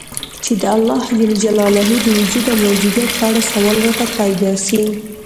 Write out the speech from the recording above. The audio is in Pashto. چي د الله د وجود او موجودیت په اړه سوال راته پیدا سي